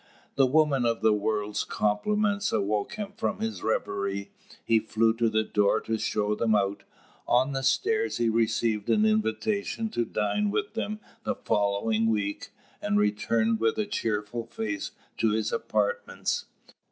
The woman of the world's compliments awoke him from his reverie. He flew to the door to show them out: on the stairs he received an invitation to dine with them the following week, and returned with a cheerful face to his apartments.